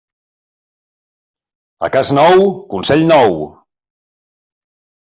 A cas nou, consell nou.